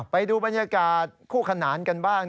ไปดูบรรยากาศคู่ขนานกันบ้าง